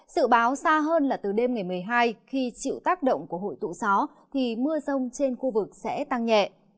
sự báo xa hơn là từ đêm ngày một mươi hai khi chịu tác động của hội tụ gió thì mưa rông trên khu vực sẽ tăng nhẹ